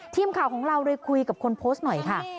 ทีมข่าวของเราเลยคุยกับคนโพสต์หน่อยค่ะ